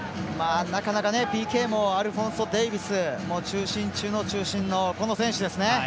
なかなかＰＫもアルフォンソ・デイビス中心中の中心の選手ですね。